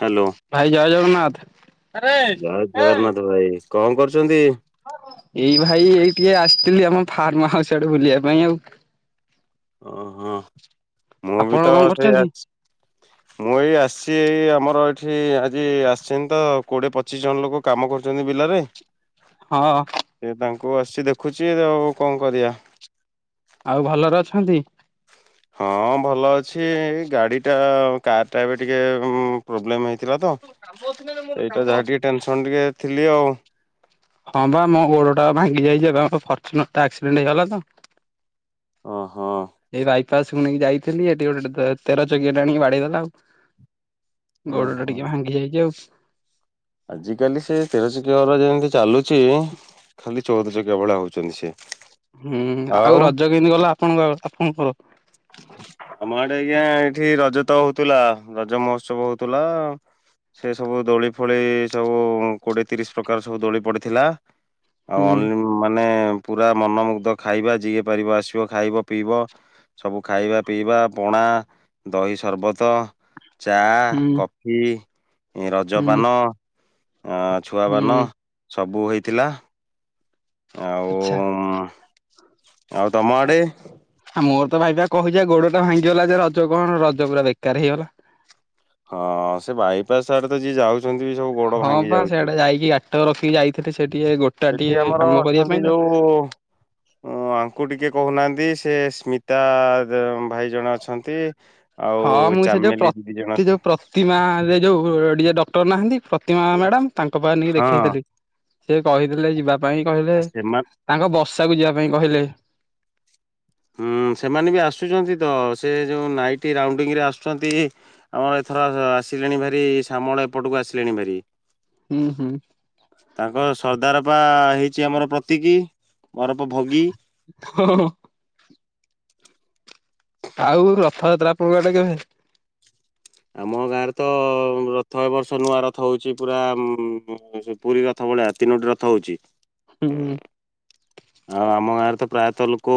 Hello, ଭାଇ ଜୟ ଜଗନ୍ନାଥ। ଜୟ ଜଗନ୍ନାଥ ଭାଇ। କଣ କରୁଛନ୍ତି? ଏଇ ଭାଇ ଏଇ ଟିକେ ଆସିଥିଲି ଆମ ଫାର୍ମ ହାଉସ୍ ଆଡେ ବୁଲିବା ପାଇଁ ଆଉ। ଓ ହୋ ମୁଁ ବି ଆପଣ ତ କଣ ସେଇ କରୁଛନ୍ତି? ଆସିଛି। ମୁଁ ଏଇ ଆସିଛି ଏଇ ଆମର ଏ ଠି ଆଜି ଆସିଛନ୍ତି ତ କୋଡିଏ ପଚିଶି ଜଣ ଲୋକ କାମ କରୁଛନ୍ତି ବିଲରେ। ହଁ। କୁ ଆସିଛି ଦେଖୁଛି। ଆଉ କଣ କରିବା? ଆଉ ଭଲରେ ଅଛନ୍ତି? ହଁ ଭଲ ଅଛି। ଗାଡି ଟା କାର ଟା ଏବେ ଟିକେ ପ୍ରୋବ୍ଲେମ ହେଇ ଥିଲା ତ ସେଇଟା ଯାହା ଟିକେ ଟେନସନ ଟିକେ ଥିଲି ଆଉ। ହଁ ବା ମୋ ଗୋଡ ଟା ଭାଙ୍ଗି ଯାଇଛି। ଏବେ ଆମ ଫର୍ଚୁନର ଟା ଆକ୍ସିଡେଣ୍ଟ ହେଇଗଲା ତ। ଓ ହୋ। ତ ଶୁଣି ଯାଇଥିଲି। ଏଠି ଗୋଟେ ତ ତେର ଚକିଆ ଟାଣିକି ବାଡେଇଦେଲା ଆଉ। ଗୋଡ ଟା ଟିକେ ଭାଙ୍ଗି ଯାଇଛିି ଆଉ। ଆଜି କାଲି ସେ ତେର ଚକିଆ ଗୁରା ଯେମିତି ଚାଲୁଛି। ଖାଲି ଚଉଦ ଚକିଆ ଭଳିଆ ହଉଛନ୍ତି ସେ। ହୁଁ ଆଉ ରଜ କେମିତି ଗଲା ଆପଣଙ୍କ ଆପଣଙ୍କର। ଠି ରଜ ତ ହଉଥିଲା। ରଜ ମହୋତ୍ସବ ହଉଥିଲା ସେ ସବୁ ଦୋଳି ଫୋଳି ସବୁ କୋଡିଏ ତିରିଶ ପ୍ରକାର ସବୁ ଦୋଳି ପଡିଥିଲା। ଆଉ ହୁଁ ଅନ୍ଲି ମାନେ ପୁରା ମନମୁଗ୍ଧ ଖାଇବା ଯିଏ ପାରିବ ଆସିବ ଖାଇବ ପିଇବ। ସବୁ ଖାଇବା, ପିଇବା, ପଣା, ଦହିସର୍ବତ ଚା, ହୁଁ କଫି, ରଜ ହୁଁ ପାନ। ଅଁ ଛୁଆବାନ ହୁଁ ସବୁ ହେଇଥିଲା। ଆଉ ଆଚ୍ଛା। ଆଉ ତମ ଆଡେ? ଆଉ ମୋର ତ ଭାଇବା କହୁଛି ଗୋଡ ଟା ଭାଙ୍ଗିଗଲା ଯେ ରଜ କଣ ରଜ ପୁରା ବେକାର ହେଇଗଲା। ହଁ ସେ ବାଇପାସ ଆଡେ ତ ଯିଏ ଯାଉଛନ୍ତି ବି ସବୁ ଗୋଡ ଭାଙ୍ଗି ଯାଉଛି। ଟି ରଖି ଯାଇଥିଲେ ସେ ଟିକେ ଗୋଟା ସେଠି ଟିକେ ଆମର କାମ କରିବା ଅଛନ୍ତି ପାଇଁ ତ ଯୋଉ ଅଁ ଆଙ୍କୁ ଟିକେ କହୁନାହାନ୍ତି। ସେ ସ୍ମିତା-ଆ-ଆ-ଆ ତ ଭାଇ ଜଣେ ଅଛନ୍ତି। ଆଉ ହଁ ମୁଁ ସେ ଯୋଉ ଚାମେଲି ଦିଦି ଜଣ ପ୍ର-ଅ-ତି ଯୋଉ ପ୍ରତିମା-ଆ-ଆ-ଆ ଏ ଯୋଉ ଅ-ଅ-ଅ ଡିଏ ଡକ୍ଟର ନାହାନ୍ତି ପ୍ରତିମା ମ୍ୟାଡାମ ତାଙ୍କ ପାଖରେ ନେଇକି ହଁ ଦେଖେଇଥିଲି। ସେ କହିଥିଲେ ଯିବା ପାଇଁ କହିଲେ ଆ ସେମା ତାଙ୍କ ବଷାକୁ ଯିବା ପାଇଁ କହିଲେ। ହୁଁ ସେମାନେ ବି ଆସୁଛନ୍ତି ତ ସେ ଯୋଉ ନାଇଟି ରାଉଣ୍ଡିଙ୍ଗରେ ଆସୁଛନ୍ତି ଆମ ଓହ ଆସିଲେଣି ଭାରି ଶାମଳ ଏପଟକୁ ଆସିଲେଣି ଭାରି। ହୁଁ ହୁଁ। ତାଙ୍କ ସର୍ଦ୍ଦାରପା ହେଇଛି ଆମର ପ୍ରତିକି। ଅରଫ ଭୋଗୀ ହଁ ଆଉ ରଥଯାତ୍ରା ଆପଣଙ୍କ ଆଡେ କେମିତି? ଆମ ଗାଁରେ ତ-ଅ-ଅ-ଅ ରଥ ଏ ବର୍ଷ ନୂଆ ରଥ ହଉଛି ପୁରା ଉଁମ-ମ୍-ମ୍-ମ୍ ପୁରୀ ରଥ ପୁଳା ତିନୋଟି ରଥ ହଉଛି। ହୁଁ। ଆଉ ଆମ ଗାଁରେ ତ ପ୍ରାୟତଃ ଲୋକୋ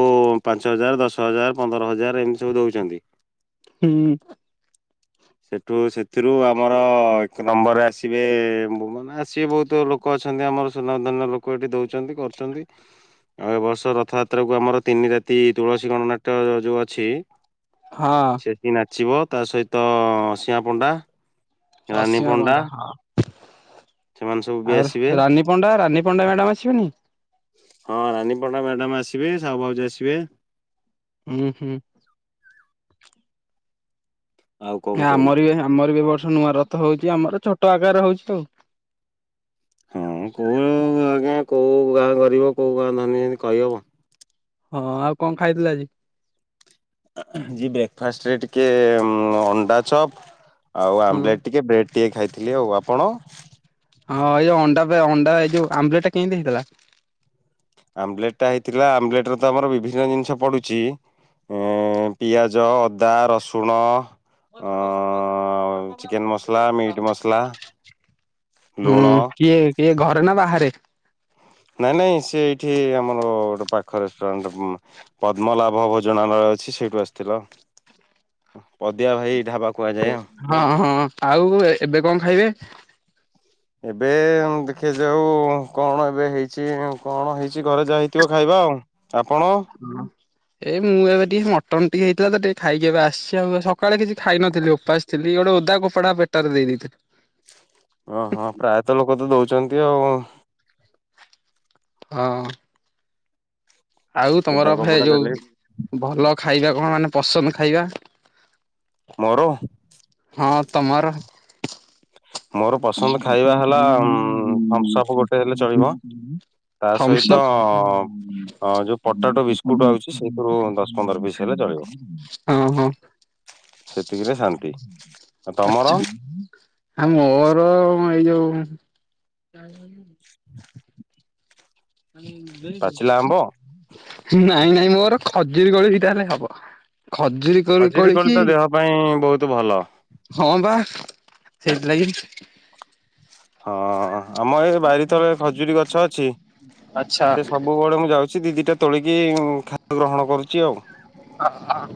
ପାଞ୍ଚ ହଜାର, ଦଶ ହଜାର, ପନ୍ଦର ହଜାର ଏମିତି ସବୁ ଦେଉଛନ୍ତି। ହୁଁ। ସେଠୁ ସେଥିରୁ ଆମର-ଅ-ଅ-ଅ ଏକ ନମ୍ବର ଆସିବେ-ଏ-ଏଯୋଉମାନେ ଆସିବେ ବହୁତ ଲୋକ। ଅଛନ୍ତି ଆମର ସୁନାଧନ୍ୟ ଲୋକ ଏଠି ଦଉଛନ୍ତି କରୁଛନ୍ତି। ଆଉ ଏବ ବର୍ଷ ରଥଯାତ୍ରା କୁ ଆମର ତିନି ରାତି ତୁଳସୀ ଗଣନାଟ୍ୟ ଯ ଯୋଉ ଅଛି ହଁ ସେଠି ନାଚିବ ତା ସହିତ ଅସିମା ପଣ୍ଡା। ଅଶୀମା ପଣ୍ଡା ହଁ। ସେମାନେ ସବୁ ବି ଆସିବେ ଆଉ ରାନୀ ପଣ୍ଡା, ରାନୀ ପଣ୍ଡା ମ୍ୟାଡାମ ଆସିବନି? ହଁ, ରାନୀ ପଣ୍ଡା ମ୍ୟାଡାମ ଆସିବେ, ସାହୁ ଭାଉଜ ଆସିବେ। ହୁଁ, ହୁଁ। ଆଉ କଣ କୁହନ୍ତୁ। ଆମର ବି, ଆମର ବି ଏ ବର୍ଷ ନୂଆ ରଥ ହଉଛି। ଆମର ଛୋଟ ଆକାର ହଉଛି ଆଉ। ହଁ, କୁହ ଆଜ୍ଞା, କଉଁ ଗାଁ ଗରିବ, କଉଁ ଗାଁ ଧନୀ? ଏମିତି କହିହେବ? ହଁ ଆଉ କଣ ଖାଇଥିଲ ଆଜି? ଜି ବ୍ରେକ୍ଫାଷ୍ଟ ରେ ଟିକେ-ଏ ଅଣ୍ଡା ଚପ୍। ଆଉ ହଁ ଆମ୍ଲେଟ୍ ଟିକେ, ବ୍ରେଡ୍ ଟିକେ ଖାଇଥିଲି। ଆଉ ଆପଣ? ହଁ ଏଇ ଅଣ୍ଡା ପା ଅଣ୍ଡା ଏଇ ଯୋଉ ଆମ୍ବଲେଟ୍ ଟା କେମିତି ହେଇଥିଲା? ଆମ୍ବଲେଟ ଟା ହେଇଥିଲା, ଆମ୍ବଲେଟ ରେ ତ ଆମର ବିଭିନ୍ନ ଜିନିଷ ପଡୁଚି। ଅଁ-ଅ ପିଆଜ, ଅଦା, ରସୁଣ। [inaudible] ଅଁ ଚିକେନ ମସଲା, ମିଟ୍ ମସଲା, ଲୁଣ ହୁଁ କିଏ କିଏ ଘରେ ନା ବାହାରେ? ଏଠି ଆମର ଗୋଟେ ପାଖ ରେଷ୍ଟୁରାଣ୍ଟ ପଦ୍ମଲାଭ ଭୋଜନାଳୟ ଅଛି, ସେଇଠୁ ଆସିଥିଲାଉ। ପଦିଆ ଭାଇ ଢାବା। କୁହାଯାଏ ଆଉ। ହଁ ହଁ ଆଉ ଏବେ କଣ ଖାଇବେ? ଏବେ ଦେଖା ଯାଉ କଣ ଏବେ ହେଇଛି? କଣ ହେଇ କିଛି ଘରେ ଯା ହେଇଥିବ ଖାଇବା ଆଉ। ଆପଣ? ଏଇ ମୁଁ ଏବେ ଟିକେ ମଟନ୍ ଟିକେ ହେଇଥିଲା ତ ଟିକେ ଖାଇକି ଏବେ ଆସିଛି ଆଉ। ସକାଳେ କିଛି ଖାଇ ନଥିଲି ଓପାସଥିଲି। ଏ ଗୋଟେ ଓଦା କପଡା ପେଟରେ ଦେଇଦେଇଥା। ଓ ହଁ ପ୍ରାୟତଃ ଲୋକ ତ ଦଉଛନ୍ତି ଆଉ। ହଁ। ଆଉ ଓଦା ତମର ଭେ କପଡା ଖାଲି ଯୋଉ ଭଲ ଖାଇବା କଣ ମାନେ ପସନ୍ଦ ଖାଇବା? ମୋର। ହଁ ତମର। [inaudible] ମୋର ପସନ୍ଦ ଖାଇବା ହେଲା ଥମ୍ସଅପ୍ ଗୋଟେ ହେଲେ ଚଳିବ। ତା ସହିତ କମିଶନର [inaudible] [inaudible] ଅ ଯୋଉ ପଟାଟୋ ବିସ୍କୁଟ ଆଉଛି ସେଇଥିରୁ ଦଶ ପନ୍ଦର ପିସ୍ ହେଲେ ଚଳିବ ହଁ, ହଁ। ସେତିକିରେ ଶାନ୍ତି। ଆଉ ତମର ଆଛା। ଆ ମୋର ଏଇଁ ଯୋଉ ଆ ଯ ପାଚିଲା ଆମ୍ବ [inaudible] ନାଇଁ ନାଇଁ ମୋର ଖଜୁରୀ କୋଳି ଭିଟା ହେଲେ ହବ। ଖଜୁରୀ କରି ଖଜୁରୀ କୋଳି କଳିକି ତ ଦେହ ପାଇଁ ବହୁତ ଭଲ। ହଁ ବା। ସେଇଟଥିଲାଗଛି। [unintelligible] ହଁ ଆମ ଏ ବାରି ତଳେ ଖଜୁରୀ ଗଛ ଅଛି। ଆଚ୍ଛା। ସେ ସବୁବେଳେ ମୁଁ ଯାଉଛି। ସେ ଦି ଦିଟା ତୋଳିକି ଖାଦ୍ୟ ଗ୍ରହଣ କରୁଛି ଆଉ। ହ ହ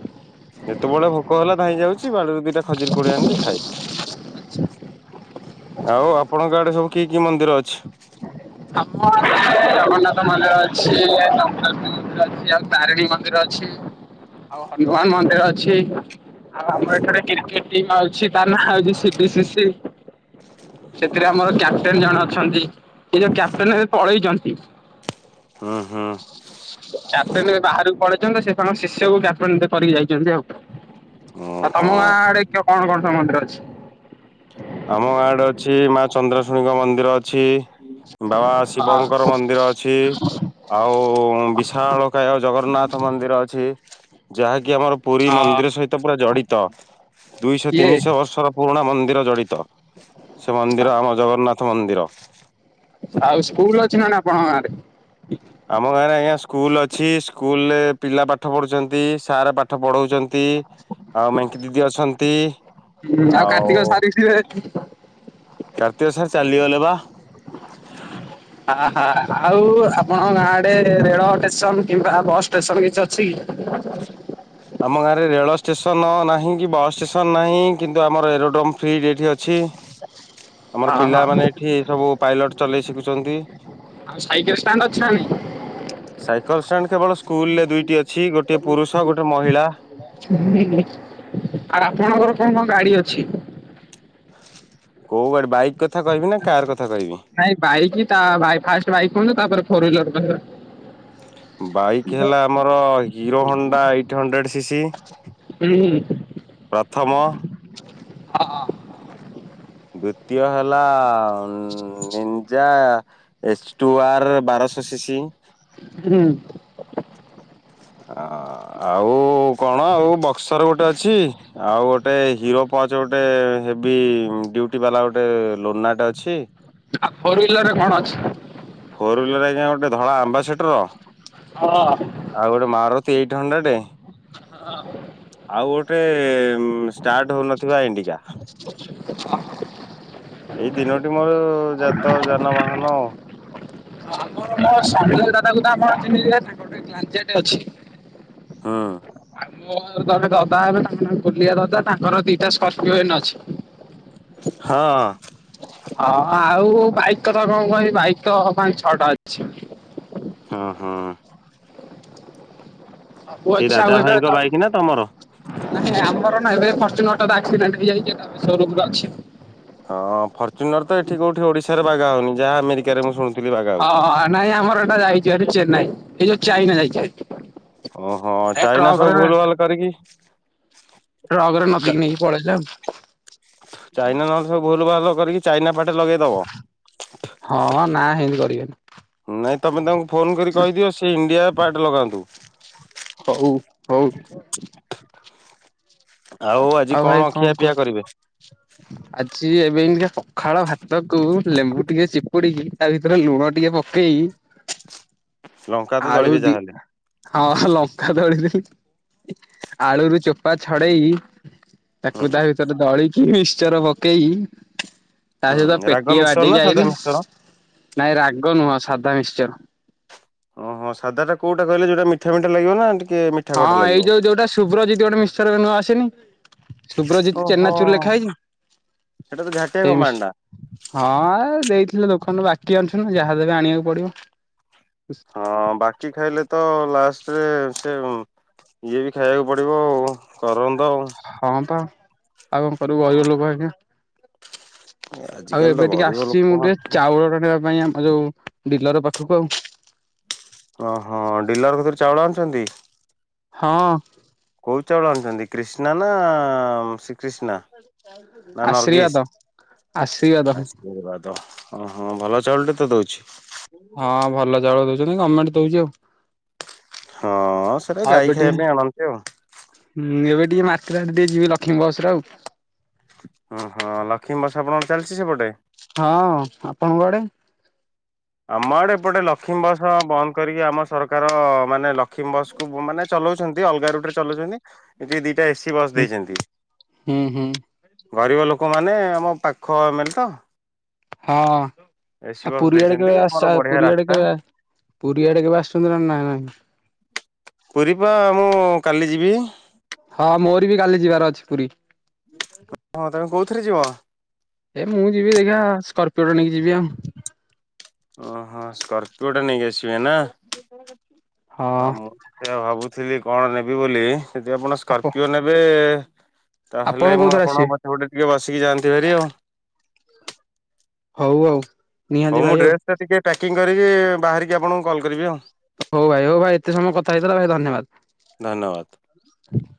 ଯେତେବେଳେ ଭୋକ ହେଲା ଧାଇଁ ଯାଉଛି। ବାଡିରୁ ଦିଟା ଖଜୁରି କୋଳି ଆଣିଲି ଖାଇଲି। ଆଉ ଆପଣଙ୍କ ଆଡେ ସବୁ କି କି ମନ୍ଦିର ଅଛି? ଆମ ଜଗନ୍ନାଥ ମନ୍ଦିର ଅଛି, [unintelligible] ମନ୍ଦିର ଅଛି ଆଉ ତାରିଣୀ ମନ୍ଦିର ଅଛି। ଆଉ ହନୁମାନ ମନ୍ଦିର ଅଛି। ଆଉ ଆମର ଏଥର କ୍ରିକେଟ ଟିମ୍ ଅଛି ତା ନାଁ ହଉଛିି ସି ବି ସି ସି। ସେଥିରେ ଆମର କ୍ୟାପଟେନ ଜଣେ ଅଛନ୍ତି, ସେ ଯୋଉ କ୍ୟାପଟେନ ପଳେଇଛନ୍ତି। ହୁଁ ହୁଁ ଚାରଟଣେ ବାହାରକୁ ପଳେଇଛନ୍ତି ସେ ତାଙ୍କ ଶିଷ୍ୟକୁ ଜାପାନିତ କରିକି ଯାଇଛନ୍ତି ଆଉ। ଆଉ ତମ ଓହୋ ଗାଁ ଆଡେ କଣ କଣ? ସମରେ ଅଛି। [unintelligible] ଆମ ଗାଁଆଡେ ଅଛି ମା ଚନ୍ଦ୍ରଶୁଣୀଙ୍କ ମନ୍ଦିର ଅଛି। ବାବା ହଁ ଶିବଙ୍କର ମନ୍ଦିର ଅଛି ଆଉ-ଉ-ଉ-ଉ-ଉ ବିଶାଳକାୟ ଜଗନ୍ନା ଜଗନ୍ନାଥ ମନ୍ଦିର ଅଛି ଯାହାକି କି ଆମର ପୁରୀ ହଁ ମନ୍ଦିର ସହିତ ପୁରା ଜଡିତ। ଦୁଇଶହ ଇଏ ତିନିଶହ ବର୍ଷର ପୁରୁଣା ମନ୍ଦିର ଜଡି ତ ସେ ମନ୍ଦିର ଆମ ଜଗନ୍ନାଥ ମନ୍ଦିର। ଆଉ ସ୍କୁଲ ଅଛି ନା ଆପଣଙ୍କ ଗାଁରେ? ଆମ ଗାଁରେ ଆଜ୍ଞା ସ୍କୁଲ ଅଛି। ସ୍କୁଲ ରେ ପିଲା ପାଠ ପଢୁଛନ୍ତି। ସାର ପାଠ ପଢଉଛନ୍ ନ୍ତି, ଆଉ ମେଙ୍କି ଦିଦି ଅଛନ୍ତି? ଆଉ କାର୍ତ୍ତିକ ସାରିଥିବେ କାରତିକ ସାର୍ ଚାଲଲିଗଲେ ହଁ ହଁ ଆଉ ଆପଣଙ୍କ ଗାଁ ଆଡେ ରେଳ ଟେସନ କିମ୍ବା ବସ୍ ଟେସନ କିଛି ଅଛି କି? ଟେସନ ନାହିଁ କି ବସ୍ ଷ୍ଟେସନ ନାହିଁ କିନ୍ତୁ ଆମର ଏରୋଡମ୍ ଫ୍ରି ଏଇଠି ଅ ଅଛି, ଆମର ହଁ ହଁ ପିଲାମାନେ ଆଉ ଏଠି ସବୁ ପାଇଲଟ ଚଲେଇ ଶିଖୁଛନ୍ତି। ଆଉ ସାଇକେଲ ଷ୍ଟାଣ୍ଡ୍ ଅଛି ନା ନାହିଁ? ସ୍କୁଲ ରେ ଦୁଇଟି ଅ ଆ ଆପଣଙ୍କର ଆପଣ କ ଗାଡି ଅଛି? କୋଉ ଗଡି ବାଇକ? ନାଇଁ ବାଇକ୍ ତା ଅ ଫାଷ୍ଟ ବାଇକ୍ କୁହନ୍ତୁ ତାପରେ ଫୋର ହୁଇଲର କହିବେ। ବାଇକ୍ ହେଲା ଆମର Hero Honda eight hundred C C ହୁଁ ପ୍ରଥମ ହଁ ହଁ। ଦ୍ଵିତୀୟ ହେଲା ଅ-ଅ-ଅ-ଅ-ଅ ନିଞା ଏଚ ଟୁ ଆର ବାରଶ ସି ସି ହୁଁ। ଅ-ଅ-ଅ ଆଉ-ଉ-ଉ କଣ ଆଉ ବକ୍ସର ଗୋଟେ ଅଛି ଆଉ ଗୋଟେ ଗୋଟେ ହିରୋ ପଚ ଗୋଟେ ହେଵି ଡୁଉଟି ବାଲା ଗୋଟେ ଲୋନାଟେ ଅଛି। ଆଉ ଫୋର ହୁଇଲର ରେ କଣ ଅଛି? ଫୋର୍ ହୁଇଲର୍ ଆଜ୍ଞା ଗୋଟେ ଧଳା ଆମ୍ବାସେଟର ଆଉ ଗୋଟେ ହଁ। ମାରୁତି ଏଇଟ୍ ହଣ୍ଡ୍ରେଡ୍ ହଁ। ଆଉ ଗୋଟେ ଷ୍ଟାର୍ଟ ହଉନଥିବା ଇଣ୍ଡିିକା। ଏଇ ତିନୋଟି ମୋର ଜାତ ଯାନବାହାନ ଆଉ। ଆପଣ ମୋ ସନଜୟ ଦାଦକୁ ତ ଆପଣ ଚିହ୍ନିଥିବେ ତାଙ୍କରେ ଗୋଟେ [unintelligible] ଅଛି। ହଁ। ମୋ ଜଣେ ଦଦା ହେବେ ତାଙ୍କ ନା ଗୋଲିଆ ଦଦା ତାଙ୍କର ଦିଟା ସ୍କର୍ପିଓ ହେନ ଅଛି। ହଁ। ହଁ ଆଉ ବାଇକ କଥା କଣ କହିବି ବାଇକ ତ ପାଞ୍ଚ, ଛଅଟା ଅଛି। ହଁ ହଁ। ସଵୁ ଅଛି ଦାଦା ଆଉ ଏବେ ଭାଇଙ୍କ ବାଇକ ନା ତମର? ନାଇଁ ଆମର ଫର୍ଚ୍ୟୁନର ଆକ୍ସିଡେଣ୍ଟ ହେଇଯାଇଛି ସୋରୁମ୍ ରେ ଅଛି। ହଁ ଫର୍ଚୁନର ତ ଏଠି କୋଉଠି ଓଡିଶାରେ ବାଗା ହଉନି। ଯାହା ଆମେରିକାରେ ମୁଁ ଶୁଣୁଥିଲି ବାଗା ହଁ ହଉଛି। ନାଇଁ ଆମର ଏଟା ଯାଇଛି ଚେନ୍ନାଇ ଏଇ ଯୋଉ ଚାଇନା ଯାଇଛି ହାରି। ଓହୋ ଚାଇନା ସବୁ ଭୁଲ ଭାଲ କରିକି ଟ୍ରକରେ ନଦୀକି ନେଇକି ପଳେଇଲେ ଆଉ ଚାଇନା ନହେଲେ ସବୁ ଭୁଲ ଭଲ କରିକି ଚାଇନା ପାଠ ଲଗେଇଦବ ହଁ ନା ହେନ୍ତି କରିବେନି। ନାଇଁ ତୁମେ ତାଙ୍କୁ ଫୋନ୍ କରି କହିଦିଅ ସେ ଇଣ୍ଡିଆ ପାର୍ଟ ଲଗାନ୍ତୁ। ହଉ ହଉ। ଆଜି ଆଉ ଭାଇ ଖିଆ କଣ ପିଆ କୁହ କରିବେ? ଆଜି ଏବେ ଏଇନିକା ପଖାଳ ଭାତକୁ ଲେମ୍ବୁ ଟିକେ ଚିପୁଡିକି ତା ଭିତରେ ଲୁଣ ଟିକେ ପକେଇ ଲଙ୍କା ତ ଆଳୁ ଦଳିବେ ଦି ଯାହାହେଲେ ହଁ ଲଙ୍କା ଦଳିବି ଆଳୁରୁ ଚୋପା ଛଡେଇ ହୁଁ ତାକୁ ତା ଭିତରେ ଦଳିକି ମିିକ୍ଚର ପକେଇ ତା ସହିତ ହୁଁ ରାଗ ପେଟିଏ ମିଶ୍ରଣ ନା ବାଡିକି ସାଧା ଆଇଲି ମିଶ୍ରଣ? ନାଇଁ ରାଗ ନୁହଁ ସାଧା ମିଶ୍ଚର। ଓହୋ ସାଧା ଟା କଉଟା କହିଲେ ଯଉଟା ମିଠା ମିଠା ଲାଗିବ ନା ଟି ହଁ ଏଇ ଯୋଉ ଯୋଉଟା ସୁୁବ୍ରଜିତ ଗୋଟେ ମିଶର ନୂଆ ଆସେନି। ସୁୁବ୍ରଜିତ ଓହୋ ଚେନାଚୁର ଲେଖାହେଇନି। ସେଟା ତ ଝାଟିଆ ସେଇ କମ୍ପାନୀ ଟା। ମିଶ୍ଚର୍ ହଁ ଦେଇ ଦୋକାନରୁ ବାକି ଆଣୁଛନ୍ତି ଯାହା ଦେବେ ଆଣିବାକୁ ପଡିବ। ହଁ ବାକି ଖାଇଲେ ତ ଲାଷ୍ଟ ରେ ସେ ଇଏ ବି ଖାଇବାକୁ ପଡିବ ଆଉ କରନ୍ଦ ଆଉ। ହଁ ତ ଆଉ କଣ କରିବୁ ଗରିବ ଲୋକ ଆଜ୍ଞା। ଆଉ ଆଜିକାଲି ତ ଏବେ ଟିକେ ଗରିବ ଆସିଛି ମୁଁ ଲୋକ ଟିକେ ଚାଉଳଟା ନେବା ପାଇଁ ଆଉ ଆ ଯୋଉ ଡିଲର ପାଖକୁ ଆଉ ଓହୋ ଡିଲର କଥିରେ ଚାଉଳ ଆଣୁଛନ୍ତି? ହଁ। କୋଉ ଚାଉଳ ଆଣୁଛନ୍ତି କ୍ରିଷ୍ଣା ନା ଶ୍ରୀକ୍ରିଷ୍ଣା ନା ଆଶୀର୍ବାଦ ଆଶୀର୍ବାଦ ନର୍ଗିଷ ଆଶୀର୍ବାଦ ଓ ହଁ ଭଲ ଚାଉଳଟେ ତ ଦଉଛି। ହଁ ଭଲ ଚାଉଳ ଦଉଛନ୍ତି ଗମେଣ୍ଟ ଦଉଛି ଆଉ। ହଁ ସେଟା ହଁ ଗାଈ ଏବେ ଟିକେ ଖାଇବା ପାଇଁ ଆଣନ୍ତି ଆଉ। ହଁ ଏବେ ଟିକେ ମାରକେଟ୍ ଆଡ଼େ ଟିକେ ଯିବି ଲକ୍ଷ୍ମୀ ବସରେ ଆଉ ଓ ହଁ ଲକ୍ଷ୍ମୀ ବସ ଆପଣ ଚାଲିଛି ସେପଟେ? ହଁ ଆପଣଙ୍କ ଆଡେ? ଆମ ଆଡେ ଏପଟେ ଲକ୍ଷ୍ମୀ ବସ ବନ୍ଦ କରିକି ଆମ ସରକାର ମାନେ ଲକ୍ଷ୍ମୀ ବସକୁ ମାନେ ଚ ଚଲଉଛନ୍ତି। ଅଲଗା ରୁଟ୍ ରେ ଚଲଉଛନ୍ତି। ଏଠିକି ଦିଟା ଏସି ବସ୍ ଦେଇଛିନ୍ତି। ହୁଁ ହୁଁ। ଗରିବ ଲୋକମାନେ ଆମ ପାଖ ଏମାନେ ତ? ହଁ ଏସି ଆ ବସ୍ ପୁରୀ ଆଡେ ଦେଇଛନ୍ତି କେବେ ଆମର ଆସୁଚ! ବଢିଆ ପୁରୀଆଡେ ରାସ୍ତା କେବେ? ପୁରୀଆଡେ କେବେ ଆସୁଛନ୍ତି ନା ନାଇଁ? ପୁରୀ ପା ମୁଁ କାଲି ଯିବି। ହଁ ମୋର ବି କାଲି ଯିବାର ଅଛି ପୁରୀ? ହଁ ତମେ କୋଉଥିରେ ଯିବ? ଏ ମୁଁ ଯିବି ଦେଖିବା ସ୍କର୍ପିଓଟା ନେଇକି ଯିବି ଆଉ। ଓହୋ! ସ୍କର୍ପିଓ ଟା ନେଇକି ଆସିବ। ନା ହଁ ଆଉ ମୁଁ ସେଆ ଭାବୁଥିଲି କଣ ନେବି ବୋଲି? ଯଦି ଆପଣ ଆପ ସ୍କର୍ପିଓ ନେବେ ଆପଣ ତାହେଲେ ମୁଁ କୋଉଥିରେ ଆପଣଙ୍କ ଆସିବେ ପଛେପଟେ ଟିକେ ବସିକି ଯାଆନ୍ତି ଭାରି ଆଉ। ହଉ ଆଉ। ନିହାତି ହଉ ମୁଁ ଭାଇ ଆଉ ଡ୍ରେସ ଟା ଟିକେ ପ୍ୟାକିଂ କରିକି, ବାହାରିକି ଆପଣଙ୍କୁ କଲ୍ କରିବି ଆଉ। ହଉ ଭାଇ ହଉ ଭାଇ ଏତେ ସମୟ କଥା ହେଇଥିଲ, ଭାଇ ଧନ୍ୟବାଦ!